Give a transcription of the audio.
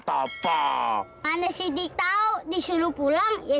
top bronya sid di tau disuruh pulang ya